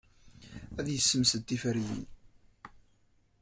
Ad yessemsed tiferyin.